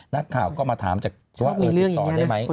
นักข่าวก็มาถามจากว่าติดต่อได้ไหม